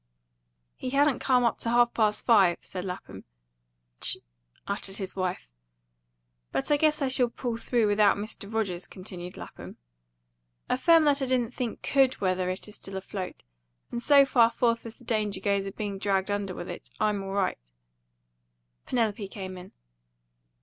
"He hadn't come up to half past five," said Lapham. "Tchk!" uttered his wife. "But I guess I shall pull through without Mr. Rogers," continued Lapham. "A firm that I didn't think COULD weather it is still afloat, and so far forth as the danger goes of being dragged under with it, I'm all right." Penelope came in.